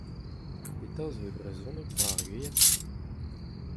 Petra zo e brezhoneg war ar Gwiad ?